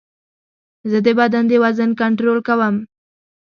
زه د بدن د وزن کنټرول کوم.